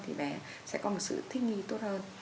thì bé sẽ có một sự thích nghi tốt hơn